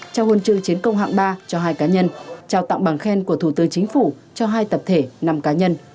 trao huân chương chiến công hạng ba cho hai cá nhân trao tặng bằng khen của thủ tư chính phủ cho hai tập thể năm cá nhân